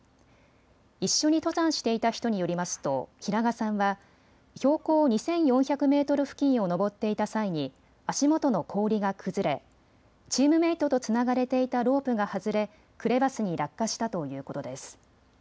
一緒に登山していた人によりますとヒラガさんは標高２４００メートル付近を登っていた際に足元の氷が崩れ、チームメイトとつながれていたロープが外れ、クレバスに落下したということです。